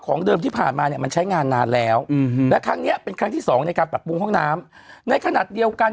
เดิมที่ผ่านมาเนี่ยมันใช้งานนานแล้วและครั้งนี้เป็นครั้งที่สองในการปรับปรุงห้องน้ำในขณะเดียวกัน